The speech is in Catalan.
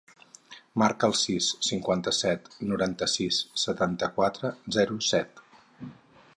Marca el sis, cinquanta-set, noranta-sis, setanta-quatre, zero, set.